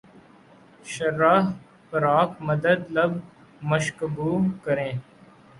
شرح فراق مدح لب مشکبو کریں